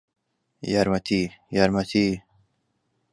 یارمەتی! یارمەتی!